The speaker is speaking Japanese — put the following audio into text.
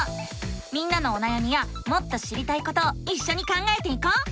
みんなのおなやみやもっと知りたいことをいっしょに考えていこう！